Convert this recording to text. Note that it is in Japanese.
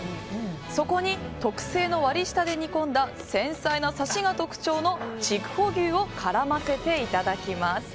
そこに特製の割り下で煮込んだ繊細なサシが特徴の筑穂牛を絡ませていただきます。